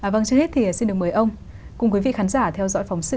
vâng trước hết thì xin được mời ông cùng quý vị khán giả theo dõi phóng sự